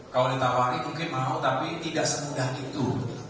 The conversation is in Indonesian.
kalau ditawari mungkin mau tapi tidak semudah itu